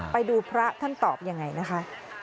ไปดูพระท่านตอบยังไงนะคะ